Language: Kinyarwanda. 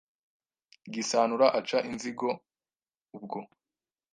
Gisanura aca inzigo ubwo.